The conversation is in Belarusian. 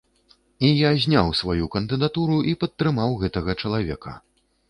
І я зняў сваю кандыдатуру і падтрымаў гэтага чалавека.